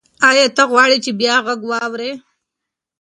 ایا ته غواړې چې بیا غږ واورې؟